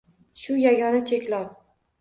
Shu yagona cheklov.